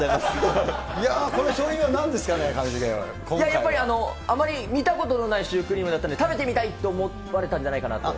いやー、この勝因はなんですあまり見たことのないシュークリームだったので、食べてみたいと思われたんじゃないかなと。